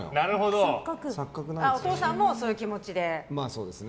お父さんもそういう気持ちで。